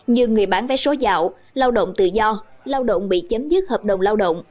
như người bán vé số dạo lao động tự do lao động bị chấm dứt hợp đồng lao động